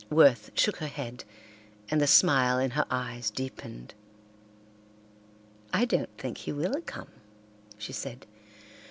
Worth shook her head and the smile in her eyes deepened. "I don't think he will come," she said.